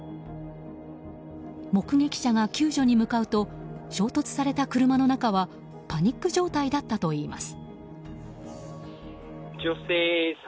目撃者が救助に向かうと衝突された車の中はパニック状態だったといいます。